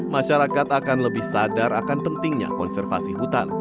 masyarakat akan lebih sadar akan pentingnya konservasi hutan